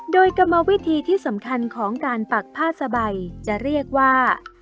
โดยกรรมวิธีที่สำคัญของการปักผ้าสบายจะเรียกว่า